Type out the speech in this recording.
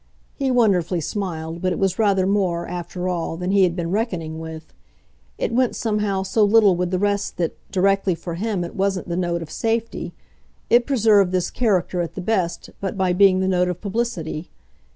He wonderfully smiled, but it was rather more, after all, than he had been reckoning with. It went somehow so little with the rest that, directly, for him, it wasn't the note of safety; it preserved this character, at the best, but by being the note of publicity.